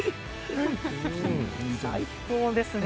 最高ですね